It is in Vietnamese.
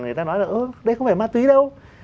người ta nói là đây không phải ma túy đâu